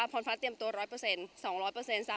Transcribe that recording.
มาตลอดค่ะเราก็เลยคิดว่าอย่างที่พรฟ้าบอกไปว่า